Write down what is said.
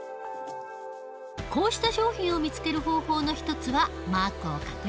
こうした商品を見つける方法の一つはマークを確認する事。